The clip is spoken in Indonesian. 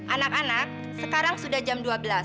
anak anak sekarang sudah jam dua belas